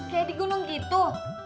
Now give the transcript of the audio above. kayak di gunung gitu